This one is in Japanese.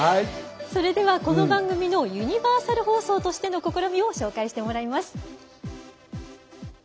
それでは、この番組のユニバーサル放送としての試みを紹介してもらいます。